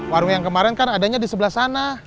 warung yang kemarin kan adanya di sebelah sana